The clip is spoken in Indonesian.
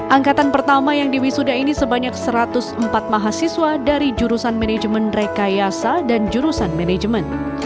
angkatan pertama yang diwisuda ini sebanyak satu ratus empat mahasiswa dari jurusan manajemen rekayasa dan jurusan manajemen